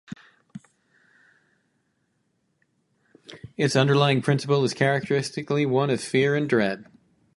Its underlying principle is characteristically one of fear and dread.